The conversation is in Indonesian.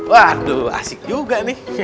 waduh asik juga nih